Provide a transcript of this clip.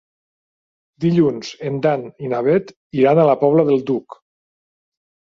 Dilluns en Dan i na Bet iran a la Pobla del Duc.